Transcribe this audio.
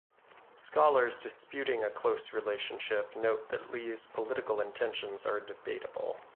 Scholars disputing a close relationship note that Li's political intentions are debatable.